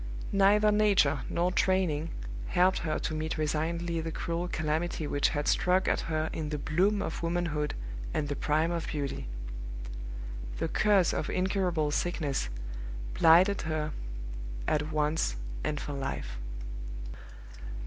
Neither nature nor training helped her to meet resignedly the cruel calamity which had struck at her in the bloom of womanhood and the prime of beauty. The curse of incurable sickness blighted her at once and for life.